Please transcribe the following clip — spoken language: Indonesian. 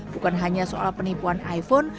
bukan hanya soal penipuan iphone